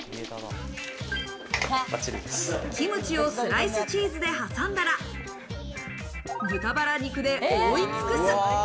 キムチをスライスチーズで挟んだら、豚バラ肉で覆いつくす。